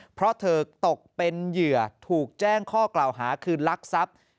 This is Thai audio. เพราะเธอตกเป็นเหยื่อถูกแจ้งข้อกล่าวหาคือลักทรัพย์